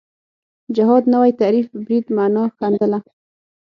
جهاد نوی تعریف برید معنا ښندله